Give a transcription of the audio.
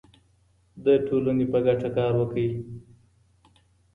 د ټولنې په ګټه کار وکړئ.